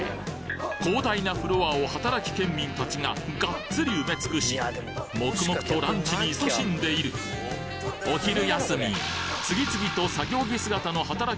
広大なフロアを働きケンミン達ががっつり埋め尽くし黙々とランチに勤しんでいるお昼休み次々と作業着姿の働き